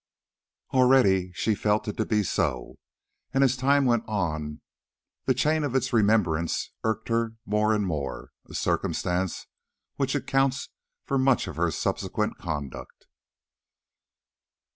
Already she felt it to be so, and as time went on the chain of its remembrance irked her more and more, a circumstance which accounts for much of her subsequent conduct.